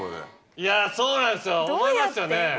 いやそうなんですよ思いますよね。